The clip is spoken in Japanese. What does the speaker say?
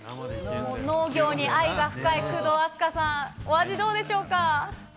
農業に愛が深い工藤阿須加さん、お味、どうでしょうか。